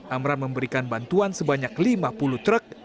amran memberikan bantuan sebanyak lima puluh truk